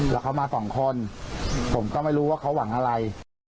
แล้วเขามาสองคนผมก็ไม่รู้ว่าเขาหวังอะไร